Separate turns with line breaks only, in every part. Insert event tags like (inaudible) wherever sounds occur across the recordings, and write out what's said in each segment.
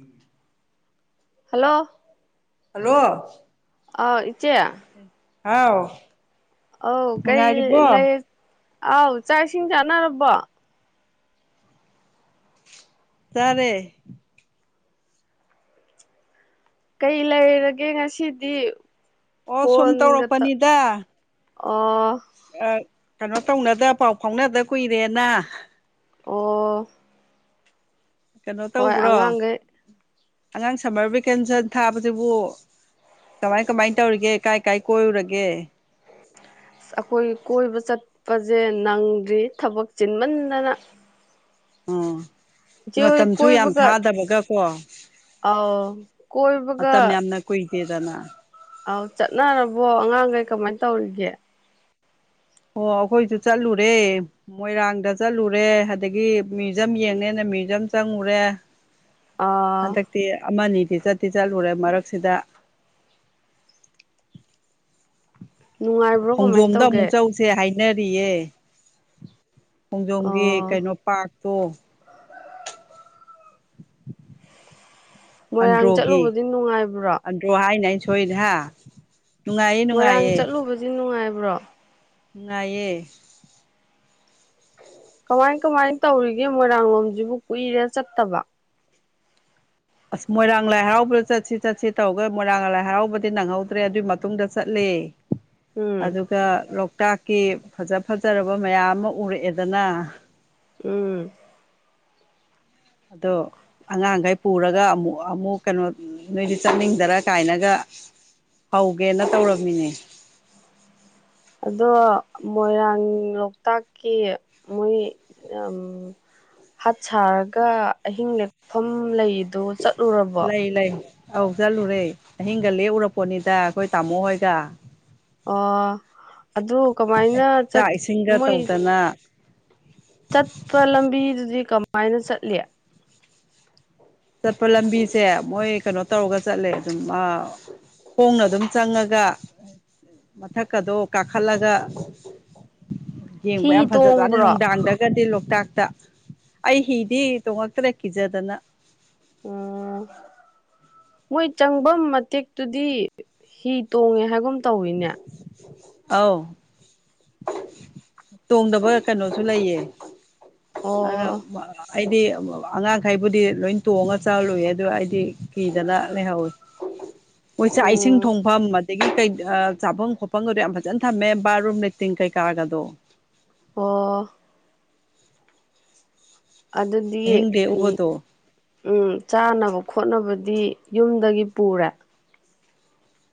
(inaudible)
Hello
hello
ꯑꯥꯎ ꯢꯆꯦ
ꯍꯥꯎ
ꯑ ꯀꯔꯤ
ꯅꯨꯡꯉꯥꯏꯔꯤꯕꯣ
ꯂꯩ ꯑꯥꯎ ꯆꯥꯛ ꯏꯁꯤꯡ ꯆꯥꯅꯔꯕꯣ
ꯆꯥꯔꯦ
ꯀꯩ ꯂꯩꯔꯒꯦ ꯉꯁꯤꯗꯤ
ꯑꯣ ꯁꯨꯝ
ꯐꯣꯟꯒ ꯇ
ꯇꯧꯔꯛꯄꯅꯤꯗ
ꯑꯣ
ꯀꯩꯅꯣ ꯇꯧꯅꯗ ꯄꯥꯎ ꯐꯥꯎꯅꯗ ꯀꯨꯏꯔꯦꯅ
ꯑꯣ
ꯀꯩꯅꯣ
ꯍꯣꯏ
ꯇꯧꯕ꯭ꯔꯣ
ꯑꯉꯥꯡꯈꯩ
ꯑꯉꯥꯡ ꯁꯝꯃꯔ ꯚꯦꯀꯦꯟꯁꯟ ꯊꯥꯕꯁꯤꯕꯨ ꯀꯃꯥꯏ ꯀꯃꯥꯏꯅ ꯇꯧꯔꯤꯒꯦ ꯀꯥꯏ ꯀꯣꯏꯔꯨꯔꯒꯦ
ꯑꯩꯈꯣꯏ ꯀꯣꯏꯕ ꯆꯠꯄꯁꯦ ꯅꯪꯗ꯭ꯔꯤ ꯊꯕꯛ ꯆꯤꯟꯃꯟꯗꯅ
ꯑꯣ
ꯏꯆꯦ ꯍꯣꯏ
ꯃꯇꯝꯁꯨ ꯌꯥꯝ ꯊꯥꯗꯕꯒ ꯀꯣ
ꯑꯧ ꯀꯣꯏꯕꯒ
ꯅꯀꯣꯢ ꯅꯦꯗꯅ
ꯑꯧ ꯆꯠꯅꯔꯕꯣ ꯑꯉꯥꯡꯈꯩ ꯀꯃꯥꯏ ꯇꯧꯔꯤꯒꯦ
ꯑꯣ ꯑꯈꯣꯏꯁꯨ ꯆꯠꯂꯨꯔꯦ ꯃꯣꯏꯔꯥꯡꯗ ꯆꯠꯂꯨꯔꯦ ꯑꯗꯒꯤ ꯃ꯭ꯌꯨꯖꯝ ꯌꯦꯡꯅꯤꯅ ꯃ꯭ꯌꯨꯖꯝ ꯆꯪꯉꯨꯔꯦ
ꯑꯥ
ꯍꯟꯗꯛꯇꯤ ꯑꯃꯅꯤꯗꯤ ꯆꯠꯇꯤ ꯆꯠꯂꯨꯔꯦ ꯃꯔꯛꯁꯤꯗ
ꯅꯨꯡꯉꯥꯏꯕ꯭ꯔꯣ ꯀꯃꯥꯏꯅ
ꯈꯣꯡꯖꯣꯝꯗ
ꯇꯧꯒꯦ
ꯑꯃꯨꯛ ꯆꯧꯁꯦ ꯍꯥꯏꯅꯔꯤꯌꯦ ꯈꯣꯡꯖꯣꯝꯒꯤ
ꯑꯣ
ꯀꯩꯅꯣ ꯄꯥꯔꯛꯇꯣ
(inaudible)
ꯑꯟꯗ꯭ꯔꯣꯒꯤ
ꯆꯠꯂꯨꯕꯗꯤ ꯅꯨꯡꯉꯥꯏꯕ꯭ꯔꯣ
ꯑꯟꯗ꯭ꯔꯣ ꯍꯥꯏꯅꯦ ꯑꯩꯅ ꯁꯣꯏꯔꯤꯁꯦ ꯍꯥ ꯅꯨꯡꯉꯥꯏꯌꯦ
ꯃꯣꯏꯔꯥꯡ
ꯅꯨꯡꯉꯥꯏꯌꯦ
ꯆꯠꯂꯨꯕꯖꯤ ꯅꯨꯡꯉꯥꯏꯕ꯭ꯔꯣ
ꯅꯨꯡꯉꯥꯢꯌꯦ
ꯀꯃꯥꯏ ꯀꯃꯥꯏꯅ ꯇꯧꯔꯤꯒꯦ ꯃꯣꯏꯔꯥꯡ ꯂꯣꯝꯁꯤꯕꯨ ꯀꯨꯏꯔꯦ ꯆꯠꯇꯕ
ꯑꯁ ꯃꯣꯏꯔꯥꯡ ꯂꯥꯏ ꯍꯔꯥꯎꯕꯗ ꯆꯠꯁꯤ ꯆꯠꯁꯤ ꯇꯧꯒ ꯃꯣꯏꯔꯥꯡ ꯂꯥꯏ ꯍꯔꯥꯎꯕꯗꯤ ꯅꯪꯍꯧꯗ꯭ꯔꯦ ꯑꯗꯨꯢ ꯃꯇꯨꯡꯗ ꯆꯠꯂꯦ (inaudible)
ꯎꯝ
ꯑꯗꯨꯒ ꯂꯣꯛꯇꯥꯛꯀꯤ ꯐꯖ ꯐꯖꯔꯕ ꯃꯌꯥꯝ ꯑꯃ ꯎꯔꯛꯑꯦꯗꯅ
ꯎꯝ
ꯑꯗꯣ ꯑꯉꯥꯡꯒꯩ ꯄꯨꯔꯒ ꯑꯃꯨꯛ ꯑꯃꯨꯛ ꯀꯩꯅꯣ ꯅꯣꯏꯁꯨ ꯆꯠꯅꯤꯡꯗꯔꯥ ꯀꯥꯏꯅꯒ ꯍꯧꯒꯦꯅ ꯇꯧꯔꯝꯃꯤꯅꯦ
ꯑꯗꯣ ꯃꯣꯏꯔꯥꯡ ꯂꯣꯛꯇꯥꯛꯀꯤ ꯃꯣꯏ ꯑꯝ ꯍꯠ ꯁꯥꯔꯒ ꯑꯍꯤꯡ ꯂꯦꯛꯐꯝ ꯂꯩ
ꯂꯩ ꯂꯩ ꯑꯧ ꯆꯠꯂꯨꯔꯦ ꯑꯍꯤꯡꯒ ꯂꯦꯛꯎꯔꯛꯄꯣꯠꯅꯤꯗ ꯑꯩꯈꯣꯏ ꯇꯥꯃꯣ ꯍꯣꯏꯒ
ꯑꯣ ꯑꯗꯣ ꯀꯃꯥꯏꯅ ꯆꯠ
ꯆꯥꯛ ꯏꯁꯤꯡꯒ
ꯃꯣꯏ
(unintelligible)
ꯆꯠꯄ ꯂꯝꯕꯤꯗꯨꯗꯤ ꯀꯃꯥꯏꯅ ꯆꯠꯂꯤ
ꯆꯠꯄ ꯂꯝꯕꯤꯖꯦ ꯃꯣꯏ ꯀꯩꯅꯣ ꯇꯧꯔꯒ ꯆꯠꯂꯦ ꯑꯗꯨꯝ ꯑꯥ ꯈꯣꯡꯅ ꯑꯗꯨꯝ ꯆꯪꯉꯒ ꯃꯊꯛꯀꯗꯣ ꯀꯥꯈꯠꯂꯒ ꯌꯦꯡꯕ
ꯍꯤ
ꯌꯥꯝ ꯐꯖꯖꯥꯠꯅꯤ
ꯇꯣꯡꯕ꯭ꯔꯣ
ꯅꯨꯡꯗꯥꯡꯗ ꯒꯗꯤ ꯂꯣꯛꯇꯥꯛꯇ ꯑꯩ ꯍꯤꯗꯤ ꯇꯣꯡꯉꯛꯇ꯭ꯔꯦ ꯀꯤꯖꯗꯅ
ꯎꯝ ꯃꯣꯏ ꯆꯪꯕꯝ ꯃꯇꯦꯛꯇꯨꯗꯤ ꯍꯤ ꯇꯣꯡꯉꯦ ꯍꯥꯏꯒꯨꯝ ꯇꯧꯏꯅꯦ
ꯑꯧ ꯇꯣꯡꯗꯕ ꯀꯩꯅꯣꯁꯨ ꯂꯩꯌꯦ
ꯑꯣ
(unintelligible) ꯑꯩꯗꯤ ꯑꯉꯥꯡꯈꯩꯕꯨꯗꯤ ꯂꯣꯏ ꯇꯣꯡꯉꯒ ꯆꯥꯔꯨꯏꯦ ꯑꯗꯣ ꯑꯩꯗꯤ ꯀꯤꯗꯅ ꯂꯩꯍꯧꯋꯤ ꯃꯣꯏ ꯆꯥꯛ ꯏꯁꯤꯡ
ꯎꯝ
ꯊꯣꯡꯐꯝ ꯑꯗꯒꯤ ꯀꯩ ꯆꯥꯐꯝ ꯈꯣꯠꯄꯝꯒꯗꯣ ꯌꯥꯝ ꯐꯖꯟ ꯊꯝꯃꯦ ꯕꯥꯠꯔꯨꯝ ꯂꯩꯇꯤꯟ ꯀꯩꯀꯥꯒꯗꯣ
ꯑꯣ ꯑꯗꯨꯗꯤ
ꯑꯍꯤꯡ
ꯎꯝ
ꯂꯦꯛꯎꯕꯗꯣ
ꯎꯝ ꯆꯥꯅꯕ ꯈꯣꯠꯅꯕꯗꯤ ꯌꯨꯝꯗꯒꯤ ꯄꯨꯔꯦ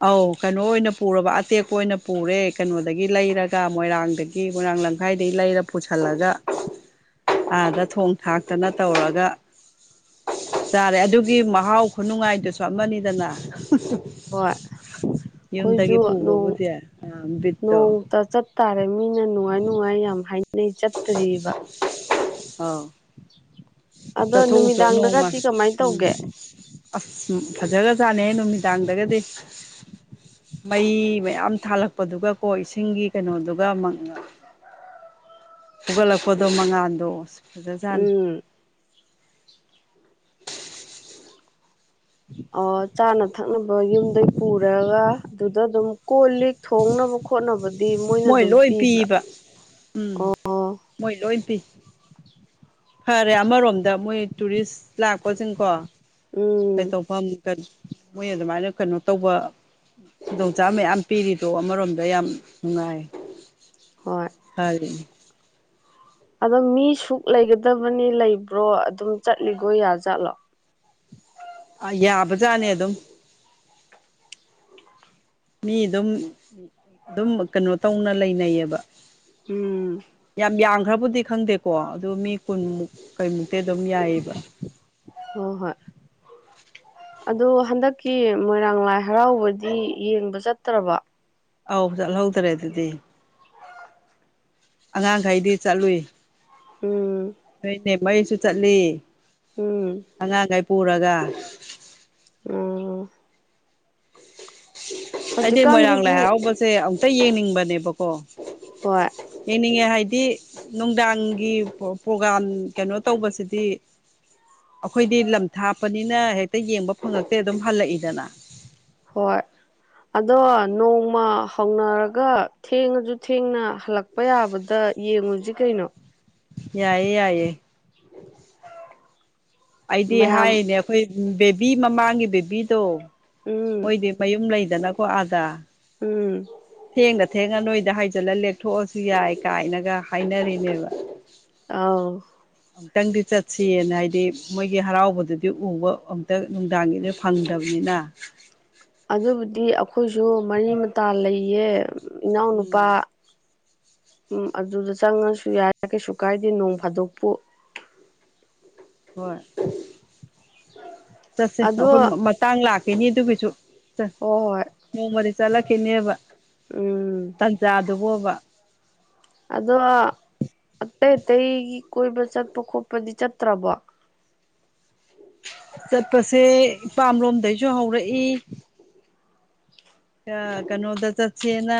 ꯑꯧ ꯀꯩꯅꯣ ꯑꯣꯏꯅ ꯄꯨꯔꯕ ꯑꯇꯦꯛꯄ ꯑꯣꯏꯅ ꯄꯨꯔꯦ ꯀꯩꯅꯣꯗꯒꯤ ꯂꯩꯔꯒ ꯃꯣꯏꯔꯥꯡꯗꯒꯤ ꯒꯤ ꯃꯣꯢꯔꯥꯡ ꯂꯝꯈꯥꯏꯗꯩ ꯂꯩꯔ ꯄꯨꯁꯜꯂꯒ ꯑꯥꯗ ꯊꯣꯡ ꯊꯥꯛꯇꯅ ꯇꯧꯔꯒ ꯆꯥꯔꯦ ꯑꯗꯨꯒꯤ ꯃꯍꯥꯎ ꯈꯨꯅꯨꯡꯉꯥꯏꯗꯨꯁꯨ ꯑꯃꯅꯤꯗꯅ
ꯍꯣꯏ
ꯌꯨꯝꯗꯒꯤ
ꯑꯩꯈꯣꯏꯁꯨ ꯅꯣꯡ
ꯄꯨꯕꯕꯨꯗꯤ ꯕꯤꯠꯇꯣ
ꯅꯣꯡ ꯆꯠ ꯇꯥꯔꯦ ꯃꯤꯅ ꯅꯨꯡꯉꯥꯏ ꯅꯨꯡꯉꯥꯏ ꯌꯥꯝꯅ ꯍꯥꯏ ꯅꯤ ꯆꯠꯇꯨꯔꯤꯕ꯫
ꯑꯧ
ꯑꯗꯣ
ꯆꯠꯊꯣꯛꯎꯆꯣ ꯅꯣꯡꯃ
ꯅꯨꯃꯤꯗꯥꯡꯗꯒꯗꯤ ꯀꯃꯥꯏꯅ
ꯎꯝ
ꯇꯧꯒꯦ꯫
ꯑꯁ ꯐꯖꯔ ꯆꯥꯅꯩ ꯅꯨꯃꯤꯗꯥꯡꯗꯒꯗꯤ꯫ ꯃꯩ ꯃꯌꯥꯝ ꯊꯥꯜꯂꯛꯄꯗꯨꯒꯀꯣ ꯏꯁꯤꯡꯒꯤ ꯀꯩꯅꯣꯗꯨꯒ ꯍꯧꯒꯠꯂꯛꯄꯗꯣ ꯃꯉꯥꯜꯗꯣ ꯑꯁ ꯐꯖꯖꯥꯠꯅꯤ꯫
ꯎꯝ ꯑꯣ ꯆꯥꯅ ꯊꯛꯅꯕ ꯌꯨꯝꯗꯒꯤ ꯄꯨꯔꯒ ꯑꯗꯨꯗ ꯑꯗꯨꯝ ꯀꯣꯜꯂꯤ ꯊꯣꯡꯅꯕ ꯈꯣꯠꯅꯕꯗꯤ ꯃꯣꯏꯅ
ꯃꯣꯏ
ꯑꯗꯨꯝ
ꯂꯣꯏ
ꯄꯤꯕ꯭ꯔꯥ
ꯄꯤꯕ ꯎꯝ
ꯑꯣ
ꯃꯣꯏ ꯂꯣꯏ ꯄꯤ ꯐꯔꯦ ꯑꯃꯔꯣꯝꯗ ꯃꯣꯏ ꯇꯨꯔꯤꯁ ꯂꯥꯛꯄꯁꯤꯡꯀꯣ꯫ ꯀꯩ
ꯎꯝ
ꯇꯧꯐꯝ ꯃꯣꯏ ꯑꯗꯨꯃꯥꯏꯅ ꯀꯩꯅꯣ ꯇꯧꯕ ꯈꯨꯗꯣꯡꯆꯥꯥꯕ ꯃꯌꯥꯝ ꯄꯤꯔꯤꯗꯣ ꯑꯃꯔꯣꯝꯗ ꯌꯥꯝ ꯅꯨꯡꯉꯥꯏ
ꯍꯣꯏ
ꯇꯥꯏꯌꯦ꯫
ꯑꯗꯣ ꯃꯤ ꯁꯨꯛ ꯂꯩꯒꯗꯕꯅꯤ ꯂꯩꯕ꯭ꯔꯣ ꯑꯗꯨꯝ ꯆꯠꯂꯤꯒꯣ ꯌꯥꯖꯥꯠꯂꯣ꯫
ꯑ ꯌꯥꯕꯖꯥꯠꯅꯦ ꯑꯗꯨꯝ ꯃꯤ ꯑꯗꯨꯝ ꯑꯗꯨꯝ ꯀꯩꯅꯣ ꯇꯧꯅ ꯂꯩꯅꯩꯌꯦꯕ
ꯎꯝ
ꯌꯥꯝ ꯌꯥꯝꯈ꯭ꯔꯕꯨꯗꯤ ꯈꯪꯗꯦꯀꯣ ꯑꯗꯨ ꯃꯤ ꯀꯨꯟꯃꯨꯛ ꯀꯩꯃꯨꯛꯇꯤ ꯑꯗꯨꯝ ꯌꯥꯏꯌꯦꯕ꯫
ꯍꯣ ꯍꯣꯏ ꯑꯗꯣ ꯍꯟꯗꯛꯀꯤ ꯃꯣꯏꯔꯥꯡ ꯂꯥꯏ ꯍꯔꯥꯎꯕꯗꯤ ꯌꯦꯡꯕ ꯆꯠꯇ꯭ꯔꯕꯣ꯫
ꯑꯧ ꯆꯠꯍꯧꯗ꯭ꯔꯦ ꯑꯗꯨꯗꯤ ꯑꯉꯥꯡꯈꯩꯗꯤ ꯆꯠꯂꯨꯏ
ꯎꯝ
ꯅꯣꯏꯅꯦ ꯃꯩꯁꯨ ꯆꯠꯂꯤ
ꯎꯝ
ꯑꯉꯥꯡꯈꯩ ꯄꯨꯔꯒ
ꯎꯝ
ꯑꯩꯗꯤ ꯃꯣꯏꯔꯥꯡ ꯂꯥꯏ
ꯍꯧꯖꯤꯛꯀꯥꯟꯁꯤꯕꯨ
ꯍꯔꯥꯎꯕꯁꯦ ꯑꯃꯨꯛꯇ ꯌꯦꯡꯅꯤꯡꯕꯅꯦꯕꯀꯣ꯫
ꯍꯣꯏ
ꯌꯦꯡꯅꯤꯡꯉꯦ ꯍꯥꯏꯗꯤ ꯅꯨꯡꯗꯥꯡꯒꯤ ꯄꯣ ꯄ꯭ꯔꯣꯒ꯭ꯔꯥꯝ ꯀꯩꯅꯣ ꯇꯧꯕꯁꯤꯗꯤ ꯑꯈꯣꯏꯗꯤ ꯂꯝ ꯊꯥꯞꯄꯅꯤꯅ ꯍꯦꯛꯇ ꯌꯦꯡꯕ ꯐꯪꯉꯛꯇꯦ ꯑꯗꯨꯝ ꯍꯜꯂꯛꯏꯗꯅ꯫
ꯍꯣꯏ ꯑꯗꯣ ꯅꯣꯡꯃ ꯍꯧꯅꯔꯒ ꯊꯦꯡꯉꯖꯨ ꯊꯦꯡꯅ ꯍꯜꯂꯛ ꯄ ꯌꯥꯕꯗ ꯌꯦꯡꯉꯨꯖꯤ ꯀꯩꯅꯣ꯫
ꯌꯥꯏꯌꯦ ꯌꯥꯏꯌꯦ ꯑꯩꯗꯤ
ꯃꯌꯥꯝ
ꯍꯥꯏꯅꯦ ꯑꯈꯣꯏ ꯕꯦꯕꯤ ꯃꯃꯥꯡꯒꯤ ꯕꯦꯕꯤꯗꯣ
ꯎꯝ
ꯃꯣꯏꯗꯤ ꯃꯌꯨꯝ ꯂꯩꯗꯅꯀꯣ ꯑꯥꯗꯥ
ꯎꯝ
ꯊꯦꯡꯗ ꯊꯦꯡꯉ ꯅꯣꯏꯗ ꯍꯥꯏꯖꯜꯂ ꯂꯦꯛꯊꯣꯛꯑꯁꯨ ꯌꯥꯏ ꯀꯥꯏꯅꯒ ꯍꯥꯏꯅꯔꯤꯅꯦꯕ꯫
ꯑꯥꯎ
ꯑꯝ ꯑꯃꯨꯛꯇꯪꯗꯤ ꯆꯠꯁꯤꯌꯦꯅ ꯍꯥꯏꯗꯤ ꯃꯣꯏꯒꯤ ꯍꯔꯥꯎꯕꯗꯨꯗꯤ ꯎꯕ ꯑꯝꯇ ꯅꯨꯡꯗꯥꯡꯒꯤꯗ ꯐꯪꯗꯕꯅꯤꯅ꯫
ꯑꯗꯨꯕꯨꯗꯤ ꯑꯈꯣꯏꯖꯨ ꯃꯔꯤ ꯃꯇꯥ ꯂꯩꯌꯦ ꯏꯅꯥꯎꯅꯨꯄꯥ꯫
ꯎꯝ
ꯎꯝ ꯑꯗꯨꯗ ꯆꯪꯉꯁꯨ ꯌꯥꯏ ꯀꯩꯁꯨ ꯀꯥꯏꯗꯦ ꯅꯣꯡ ꯐꯥꯗꯣꯛꯄꯨ꯫
ꯍꯣꯏ ꯆꯠꯁꯦ
ꯑꯗꯣ
ꯑꯩꯈꯣꯏ ꯃꯇꯥꯡ ꯂꯥꯛꯈꯤꯅꯤ ꯑꯗꯨꯒꯤꯁꯨ ꯆꯠ
ꯍꯣꯏ ꯍꯣꯏ
ꯅꯣꯡꯃꯗꯤ ꯆꯠꯂꯛꯈꯤꯅꯦꯕ
ꯎꯝ
ꯇꯟꯖꯥꯗꯨꯕꯣꯕ
ꯑꯗꯣ ꯑꯇꯩ ꯑꯇꯩꯒꯤ ꯀꯣꯏꯕ ꯆꯠꯄ ꯈꯣꯠꯄꯗꯤ ꯆꯠꯇ꯭ꯔꯕꯣ
ꯆꯠꯄꯁꯦ ꯏꯄꯥꯝ ꯔꯣꯝꯗꯩꯖꯨ ꯍꯧꯔꯛꯏ ꯑ ꯀꯩꯅꯣꯗ ꯆꯠꯁꯦꯅ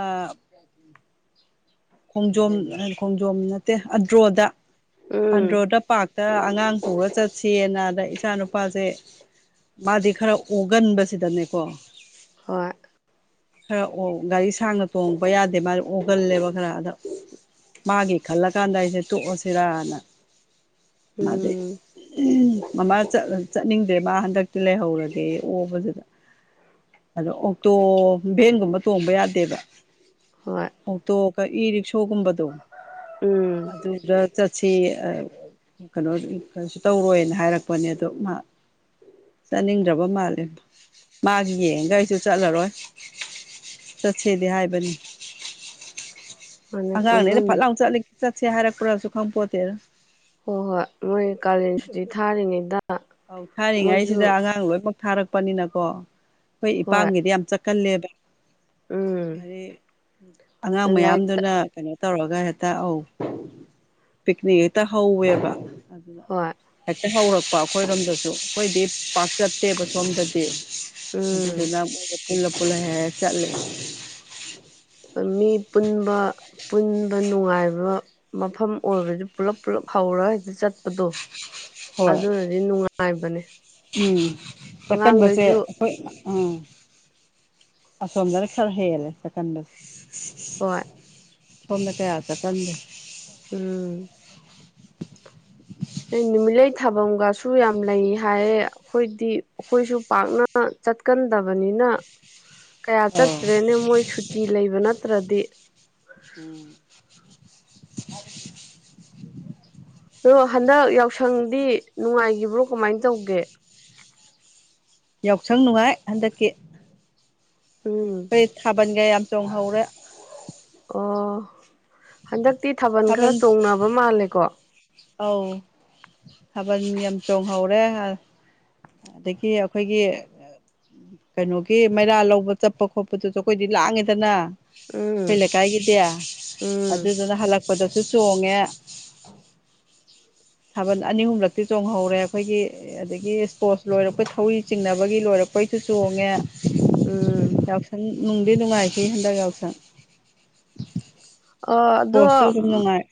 ꯑ ꯈꯣꯡꯖꯣꯝ ꯈꯣꯡꯖꯣꯝ ꯅꯠꯇꯦ ꯑꯟꯗ꯭ꯔꯣꯗ
ꯎꯝ
ꯑꯟꯗ꯭ꯔꯣꯗ ꯄꯥꯛꯇ ꯑꯉꯥꯡ ꯄꯨꯔꯥ ꯆꯠꯁꯦꯅ ꯑꯗ ꯏꯆꯥ ꯅꯨꯨꯄꯥꯖꯦ ꯃꯥꯗꯤ ꯈꯔ ꯑꯣꯒꯟꯕꯁꯤꯗꯅꯦꯀꯣ
ꯍꯣꯏ
ꯈꯔ ꯑꯣ ꯒꯥꯔꯤ ꯁꯥꯡꯅ ꯇꯣꯡꯕ ꯌꯥꯗꯦ ꯃꯥꯗꯤ ꯑꯣꯒꯜꯂꯦꯕ ꯈꯔ ꯑꯗ ꯃꯥꯒꯤ ꯈꯜꯂꯀꯥꯟꯗ ꯑꯩꯖꯦ ꯇꯣꯛꯑꯁꯤꯔꯅ ꯃꯥꯗꯤ
ꯎꯝ
ꯃꯃꯥ ꯆꯠ ꯆꯠꯅꯤꯡꯗꯦ ꯃꯥ ꯍꯟꯗꯛꯇꯤ ꯂꯩꯍꯧꯔꯒꯦ ꯑꯣꯕꯗꯨꯗ ꯑꯗꯣ ꯑꯣꯛꯇꯣ ꯚꯦꯟꯒꯨꯝꯕ ꯇꯣꯡꯕ ꯌꯥꯗꯦꯕ
ꯍꯣꯏ
ꯑꯣꯛꯇꯣꯒ ꯏꯔꯤꯛꯁꯣꯒꯨꯝꯕꯗꯣ
ꯎꯝ
ꯇꯨ ꯋꯤꯂꯔ (unintelligible) ꯁꯤꯌꯦ ꯑ ꯀꯩꯅꯣ ꯀꯩꯁꯨ ꯇꯧꯔꯣꯏꯅ ꯍꯥꯏꯔꯛꯄꯅꯦ ꯑꯗꯣ ꯃꯥ ꯆꯠꯅꯤꯡꯗ꯭ꯔꯕ ꯃꯥꯜꯂꯦ ꯃꯥꯒꯤ ꯌꯦꯡꯉꯒ ꯑꯩꯁꯨ ꯆꯠꯂꯔꯣꯏ ꯆꯠꯁꯦꯗꯤ ꯍꯥꯏꯕꯅꯤ
ꯃꯥꯅꯦ
ꯑꯉꯥꯡꯅꯦꯅ ꯐꯠ
ꯀꯣꯏꯐꯝ
ꯂꯥꯎ ꯆꯠꯂ ꯆꯠꯁꯦ ꯍꯥꯏꯔꯛꯄ꯭ꯔꯁꯨ ꯈꯪ ꯄꯣꯠꯇꯦꯗ
ꯍꯣꯏ ꯍꯣꯏ ꯃꯣꯏ ꯀꯥꯂꯦꯟꯁꯨꯇꯤ ꯊꯥꯔꯤꯉꯩꯗ
ꯑꯧ
ꯃꯣꯏꯁꯨ
ꯊꯥꯔꯤꯉꯩꯁꯤꯗ ꯑꯉꯥꯡ ꯂꯣꯏꯅꯃꯛ ꯊꯥꯔꯛꯄꯅꯤꯅꯀꯣ ꯑꯩꯈꯣꯏ
ꯍꯣꯏ
ꯏꯄꯥꯝꯒꯤꯗꯤ ꯌꯥꯝ ꯆꯠ ꯀꯜꯂꯦꯕ
ꯎꯝ
ꯍꯥꯏꯗꯤ ꯑꯉꯥꯡ
ꯂꯥꯏꯔꯤꯛꯇ
ꯃꯌꯥꯝꯗꯨꯅ ꯀꯩꯅꯣ ꯇꯧꯔꯒ ꯍꯦꯛꯇ ꯑꯧ ꯄꯤꯛꯅꯤꯛ ꯍꯦꯛꯇ ꯍꯧꯋꯦꯕ ꯑꯗꯨꯅ
ꯍꯣꯏ
ꯍꯦꯛꯇ ꯍꯧꯔꯛꯄ ꯑꯩꯈꯣꯏꯔꯣꯝꯗꯁꯨ ꯑꯩꯈꯣꯏꯗꯤ ꯄꯥꯛ ꯆꯠꯇꯦꯕ ꯁꯣꯝꯗꯗꯤ
ꯎꯝ
ꯑꯗꯨꯗꯨꯅ ꯄꯨꯜꯂꯥ ꯄꯨꯜꯂꯥ ꯍꯦꯛ ꯍꯦꯛ ꯆꯠꯂꯦ
ꯃꯤ ꯄꯨꯟꯕ ꯄꯨꯟꯕ ꯅꯨꯡꯉꯥꯏꯕ ꯃꯐꯝ ꯑꯣꯏꯕꯗꯨ ꯄꯨꯂꯞ ꯄꯨꯜꯂꯞ ꯍꯧꯔꯒ ꯍꯦꯛꯇꯥ ꯆꯠꯄꯗꯣ
ꯍꯣꯏ
ꯑꯗꯨꯅꯗꯤ ꯅꯨꯡꯉꯥꯏꯕꯅꯤ
ꯎꯝ ꯆꯠꯀꯟꯕꯁꯦ ꯍꯣꯏ ꯎꯝ ꯑꯁꯣꯝꯗꯅ ꯈꯔ ꯍꯦꯜꯂꯦ
ꯍꯣꯏ
(unintelligible) ꯁꯣꯝꯅ ꯀꯌꯥ ꯆꯠꯀꯟꯗꯦ
ꯎꯝ ꯅꯨꯃꯤꯠꯂꯩ ꯊꯥꯕꯝꯒꯁꯨ ꯌꯥꯝ ꯂꯩ ꯍꯥꯏꯌꯦ ꯑꯩꯈꯣꯏꯗꯤ ꯑꯩꯈꯣꯏꯁꯨ ꯄꯥꯛꯅ ꯆꯠꯀꯟꯗꯕꯅꯤꯅ
(inaudible)
ꯀꯌꯥ
ꯑꯧ
ꯆꯠꯇ꯭ꯔꯦꯅꯦ ꯃꯣꯏ ꯁꯨꯇꯤ ꯂꯩꯕ ꯅꯠꯇ꯭ꯔꯗꯤ
ꯎꯝ
ꯑꯗꯣ ꯍꯟꯗꯛ ꯌꯥꯎꯁꯪꯗꯤ ꯅꯨꯡꯉꯥꯏꯒꯤꯕ꯭ꯔꯣ ꯀꯃꯥꯏ ꯇꯧꯒꯦ
ꯌꯥꯎꯁꯪ ꯅꯨꯡꯉꯥꯏ ꯍꯟꯗꯛꯀꯤ
ꯎꯝ
(unintelligible) ꯊꯥꯕꯟꯒ ꯌꯥꯝ ꯆꯣꯡꯍꯧꯔꯦ
ꯑꯣ ꯍꯟꯗꯛꯇꯤ ꯊꯥꯕꯜ ꯈꯔ ꯆꯣꯡꯅꯕ ꯃꯥꯜꯂꯦꯀꯣ
ꯑꯧ ꯊꯕꯅꯤ ꯌꯥꯝ ꯆꯣꯡꯍꯧꯔꯦ ꯑꯗꯒꯤ ꯑꯩꯈꯣꯏꯒꯤ ꯀꯩꯅꯣꯒꯤ ꯃꯩꯔꯥ ꯂꯧꯕ ꯆꯠꯄ ꯈꯣꯠꯄꯗꯨꯁꯨ ꯑꯩꯈꯣꯏꯗꯤ ꯂꯥꯡꯉꯦꯗꯅ ꯑꯩꯈꯣꯏ
ꯎꯝ
ꯂꯩꯀꯥꯏꯒꯤꯗꯤ
ꯎꯝ
ꯑꯗꯨꯗꯨꯅ ꯍꯜꯂꯛꯄꯗꯁꯨ ꯆꯣꯡꯉꯦ ꯊꯥꯕꯜ ꯑꯅꯤ ꯑꯍꯨꯝꯂꯛꯇꯤ ꯆꯣꯡꯍꯧꯔꯦ ꯑꯩꯈꯣꯏꯒꯤ ꯑꯗꯒꯤ ꯏꯁꯄꯣꯔꯠ ꯂꯣꯏꯔꯛꯄꯩ ꯊꯧꯔꯤ ꯆꯤꯡꯅꯕꯒꯤ ꯂꯣꯏꯔꯛꯄꯩꯁꯨ ꯆꯣꯡꯉꯦ
ꯎꯝ
ꯌꯥꯎꯁꯪ ꯅꯨꯡꯗꯤ ꯅꯨꯡꯉꯥꯏꯈꯤ ꯍꯟꯗꯛ ꯌꯥꯎꯁꯪ
ꯑꯗꯣ
ꯄꯣꯁꯨ ꯗꯨꯝ ꯅꯨꯡꯉꯥꯏ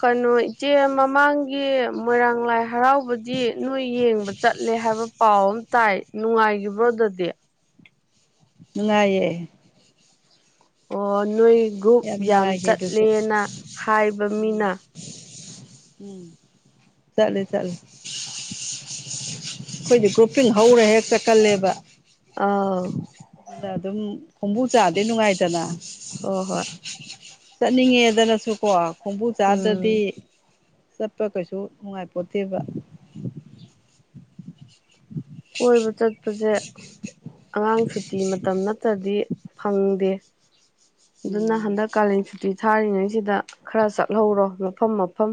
ꯀꯩꯅꯣ ꯏꯆꯦ ꯃꯃꯥꯡꯒꯤ ꯃꯣꯏꯔꯥꯡ ꯂꯥꯏ ꯍꯔꯥꯎꯕꯗꯤ ꯅꯣꯏ ꯌꯦꯡꯕ ꯆꯠꯂꯦ ꯍꯥꯏꯕ ꯄꯥꯎ ꯑꯃ ꯇꯥꯏ ꯅꯨꯡꯉꯥꯏꯒꯤꯕ꯭ꯔꯣ ꯑꯗꯗꯤ
ꯅꯨꯡꯉꯥꯏꯌꯦ
ꯑꯣ ꯅꯣꯏ ꯒ꯭ꯔꯨꯞ ꯌꯥꯝ
ꯅꯨꯡꯉꯥꯏꯈꯤ ꯑꯗꯨꯁꯨ
ꯆꯠꯂꯦꯅ ꯍꯥꯏꯕ
ꯎꯝ
ꯃꯤꯅ
ꯎꯝ ꯆꯠꯂꯦ ꯆꯠꯂꯦ ꯑꯩꯈꯣꯏꯗꯤ ꯒ꯭ꯔꯨꯞꯄꯤꯡ ꯍꯧꯔꯦ ꯍꯦꯛ ꯆꯠ ꯀꯜꯂꯦꯕ
ꯑꯥꯝ
ꯑꯗꯨꯅ ꯑꯗꯨꯝ ꯈꯣꯡꯕꯨ ꯆꯥꯗꯤ ꯅꯨꯡꯉꯥꯏꯗꯅ
ꯍꯣ ꯍꯣꯏ
ꯆꯠꯅꯤꯡꯉꯦꯗꯅꯁꯨꯀꯣ ꯈꯣꯡꯕꯨ ꯆꯥꯗ꯭ꯔꯗꯤ
ꯎꯝ
ꯆꯠꯄ ꯀꯩꯁꯨ ꯅꯨꯡꯉꯥꯏꯄꯣꯇꯦꯕ
ꯀꯣꯏꯕ ꯆꯠꯄꯁꯦ ꯑꯉꯥꯡ ꯁꯨꯇꯤ ꯃꯇꯝ ꯅꯠꯇ꯭ꯔꯗꯤ ꯐꯪꯗꯦ ꯑꯗꯨꯅ
ꯎꯝ
ꯍꯟꯗꯛ ꯀꯥꯂꯦꯟ ꯁꯨꯇꯤ ꯊꯥꯔꯤꯉꯩꯁꯤꯗ ꯈꯔ ꯆꯠꯍꯧꯔꯣ ꯃꯐꯝ ꯃꯐꯝ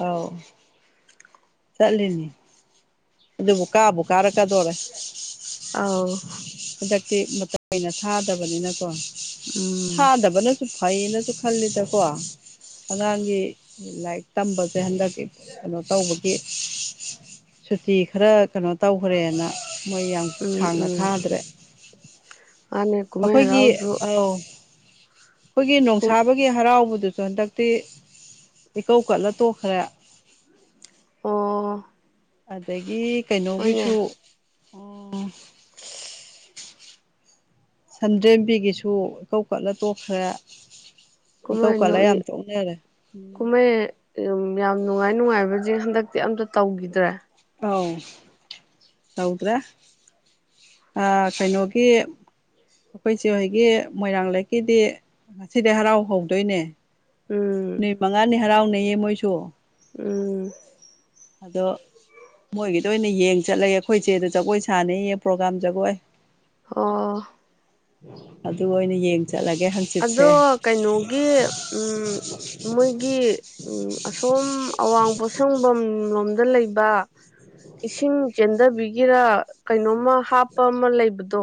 ꯑꯥꯎ ꯆꯠꯂꯤꯅꯤ ꯑꯗꯨꯕꯨ ꯀꯥꯕꯨ ꯀꯥꯔꯛꯀꯗꯣꯔꯦ
ꯑꯥꯎ
ꯍꯟꯗꯛꯇꯤ ꯃꯇꯝ ꯀꯨꯏꯅ ꯊꯥꯗꯕꯅꯤꯅꯀꯣ
ꯎꯝ
ꯊꯥꯗꯕꯅꯁꯨ ꯐꯩꯌꯦꯅꯁꯨ ꯈꯜꯂꯤꯗꯀꯣ ꯑꯉꯥꯡꯒꯤ ꯂꯥꯏꯛ ꯇꯝꯕꯁꯦ ꯍꯟꯗꯛꯀꯤ ꯀꯩꯅꯣ ꯇꯧꯕꯒꯤ ꯁꯨꯇꯤ ꯈꯔ ꯀꯩꯅꯣ ꯇꯧꯈ꯭ꯔꯦꯅ ꯃꯣꯏ ꯌꯥꯝ
ꯎꯝ
ꯁꯥꯡꯅ
ꯎꯝ
ꯊꯥꯗ꯭ꯔꯦ
ꯃꯥꯅꯦ ꯀꯨꯝꯍꯩ
ꯑꯩꯈꯣꯏꯒꯤ
ꯍꯔꯥꯎꯁꯨ
ꯑꯥꯎ ꯑꯩꯈꯣꯏꯒꯤ ꯅꯣꯡꯁꯥꯕꯒꯤ ꯍꯔꯥꯎꯕꯗꯨꯁꯨ ꯍꯟꯗꯛꯇꯤ ꯏꯀꯧ ꯀꯠꯂ ꯇꯣꯛꯈ꯭ꯔꯦ
ꯑꯣ
ꯑꯗꯒꯤ
ꯍꯣꯏꯅꯦ
ꯀꯩꯅꯣꯒꯤꯁꯨ ꯎꯝ ꯁꯟꯗ꯭ꯔꯦꯝꯕꯤꯒꯤꯁꯨ ꯏꯀꯧ ꯈꯠꯂ ꯇꯣꯛꯈ꯭ꯔꯦ ꯏꯀꯧ ꯀꯠꯂ ꯌꯥꯝ ꯇꯣꯛꯅꯔꯦ ꯎꯝ
ꯑ ꯌꯥꯝ ꯅꯨꯡꯉꯥꯏ ꯅꯨꯡꯉꯥꯏꯕꯖꯤꯡ ꯍꯟꯗꯛꯇꯤ ꯑꯝꯇ ꯇꯧꯒꯤꯗ꯭ꯔꯦ
ꯑꯥꯎ ꯇꯧꯗ꯭ꯔꯦ ꯑꯥ ꯀꯩꯅꯣꯒꯤ ꯑꯩꯈꯣꯏ ꯆꯦꯍꯣꯏꯒꯤ ꯃꯣꯏꯔꯥꯡ ꯂꯩꯔꯛꯀꯤꯗꯤ ꯉꯁꯤꯗꯩ ꯍꯔꯥꯎ ꯍꯧꯗꯣꯏꯅꯦ
ꯎꯝ
ꯅꯨꯃꯤꯠ ꯃꯉꯥꯅꯤ ꯍꯔꯥꯎꯅꯩꯌꯦ ꯃꯣꯏꯁꯨ
ꯎꯝ
ꯑꯗꯣ ꯃꯣꯏꯒꯤꯗ ꯑꯣꯏꯅ ꯌꯦꯡ ꯆꯠꯂꯒꯦ ꯑꯈꯣꯏ ꯏꯆꯦꯗꯣ ꯖꯒꯣꯏ ꯁꯥꯥꯟꯅꯦꯌꯦ ꯄ꯭ꯔꯣꯒꯥꯝ ꯖꯒꯣꯏ
ꯑꯣ
ꯑꯗꯨ ꯑꯣꯏꯅ ꯌꯦꯡ ꯆꯠꯂꯒꯦ ꯍꯪ
ꯑꯗꯣ ꯀꯩꯅꯣꯒꯤ ꯎꯝ ꯃꯣꯏꯒꯤ ꯎꯝ ꯑꯁꯣꯝ ꯑꯋꯥꯡ ꯄꯣꯁꯪꯕꯝ ꯂꯣꯝꯗ ꯂꯩꯕ ꯏꯁꯤꯡ ꯆꯦꯟꯗꯕꯤꯒꯤꯔꯥ ꯀꯩꯅꯣꯝꯃ ꯍꯥꯞꯄ ꯑꯃ ꯂꯩꯕꯗꯣ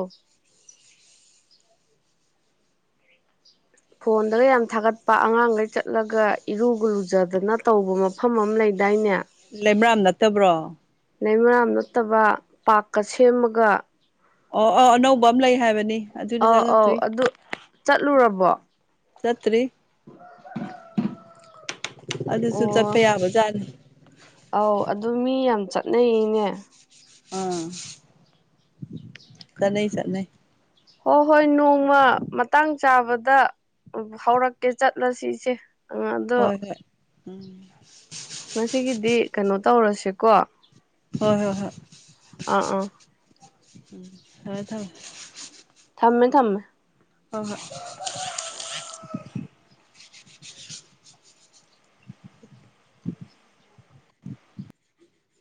ꯐꯣꯟꯗꯒ ꯌꯥꯝ ꯊꯥꯒꯠꯄ ꯑꯉꯥꯡꯒꯩ ꯆꯠꯂꯒ ꯏꯔꯨꯒ ꯂꯨꯖꯗꯅ ꯇꯧꯕ ꯃꯥ ꯐꯝ ꯑꯃ ꯂꯩꯗꯥꯏꯅꯦ
ꯂꯩꯃꯔꯥꯝ ꯅꯠꯇꯕ꯭ꯔꯣ
ꯂꯩꯩꯃꯔꯥꯝ ꯅꯠꯇꯕ ꯄꯥꯔꯛꯀꯥ ꯁꯦꯝꯃꯒ
ꯑꯣ ꯑꯣ ꯑꯅꯧꯕ ꯑꯝ ꯂꯩ ꯍꯥꯏꯕꯅꯤ ꯑꯗꯨꯗꯤ
ꯑꯧ ꯑꯥꯎ
ꯆꯪꯉꯛꯇ꯭ꯔꯤ
ꯑꯗꯨ ꯆꯠꯂꯨꯔꯕꯣ
ꯆꯠꯇ꯭ꯔꯤ ꯑꯗꯨꯁꯨ ꯆꯠꯄ
ꯑꯣ
ꯌꯥꯕꯖꯥꯠꯅꯤ
ꯑꯧ ꯑꯗꯨ ꯃꯤ ꯌꯥꯝ ꯆꯠꯅꯩꯅꯦ
ꯑꯥ
(inaudible)
ꯆꯠꯅꯩ ꯆꯠꯅꯩ
ꯍꯣꯏ ꯍꯣꯏ ꯅꯣꯡꯃ ꯃꯇꯥꯡ ꯆꯥꯕꯗ ꯎꯝ ꯍꯧꯔꯛꯀꯦ ꯆꯠꯂꯁꯤ ꯏꯆꯦ ꯑꯗꯣ
ꯍꯣꯏ ꯍꯣꯏ ꯎꯝ
ꯉꯁꯤꯒꯤꯗꯤ ꯀꯩꯅꯣ ꯇꯧꯔꯁꯦꯀꯣ
ꯍꯣꯏ ꯍꯣꯏ ꯍꯣꯏ
ꯑꯥ
ꯎꯝ ꯊꯝꯃꯦ ꯊꯝꯃꯦ
ꯊꯝꯃꯦ ꯊꯝꯃꯦ
ꯍꯣ ꯍꯣꯏ
(inaudible)